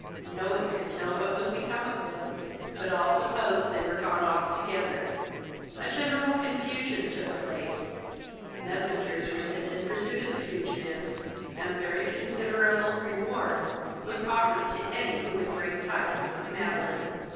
No one could tell what was become of them, but all supposed they were gone off together. A general confusion took place; messengers were sent in pursuit of the fugitives, and a very considerable reward was offered to any who would bring tidings of Madeline.